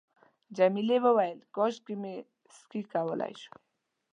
جميلې وويل:، کاشکې مې سکی کولای شوای.